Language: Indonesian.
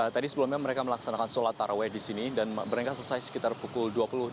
tadi sebelumnya mereka melaksanakan sholat taraweh di sini dan mereka selesai sekitar pukul dua puluh enam